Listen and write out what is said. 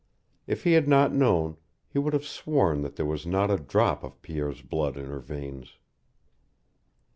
If he had not known, he would have sworn that there was not a drop of Pierre's blood in her veins.